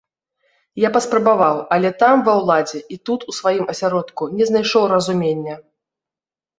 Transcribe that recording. Я паспрабаваў, але там, ва ўладзе, і тут, у сваім асяродку, не знайшоў разумення.